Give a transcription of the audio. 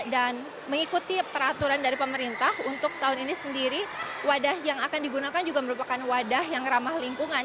dan mengikuti peraturan dari pemerintah untuk tahun ini sendiri wadah yang akan digunakan juga merupakan wadah yang ramah lingkungan